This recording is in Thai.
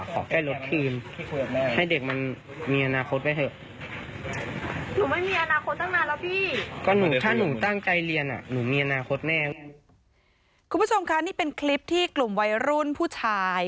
คุณผู้ชมคะนี่เป็นคลิปที่กลุ่มวัยรุ่นผู้ชาย